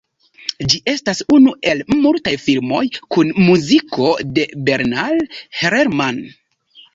Ĝi estas unu el multaj filmoj kun muziko de Bernard Herrmann.